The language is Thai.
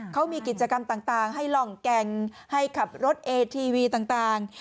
เขามีกิจกรรมต่างให้ล่องแก่งให้ขับรถเอทีวีต่าง